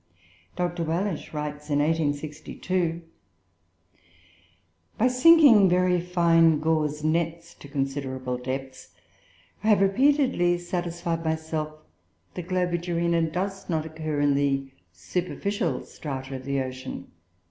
Dr. Wallich writes in 1862 "By sinking very fine gauze nets to considerable depths, I have repeatedly satisfied myself that Globigerina does not occur in the superficial strata of the ocean."